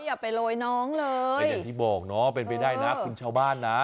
อย่าไปโรยน้องเลยเป็นอย่างที่บอกเนาะเป็นไปได้นะคุณชาวบ้านนะ